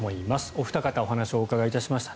お二方にお話をお伺いしました。